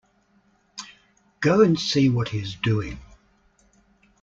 Go and see what he is doing.